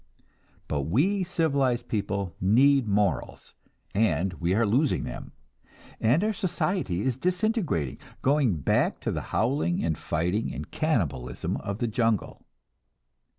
But we civilized people need morals, and we are losing them, and our society is disintegrating, going back to the howling and fighting and cannibalism of the jungle.